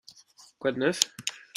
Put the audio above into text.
Quoi de neuf ?